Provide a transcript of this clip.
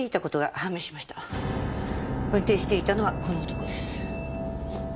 運転していたのはこの男です。